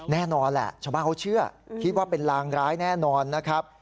แน่นอนแหละชาวบ้านเขาเชื่อคิดว่าเป็นลางร้ายแน่นอนนะครับ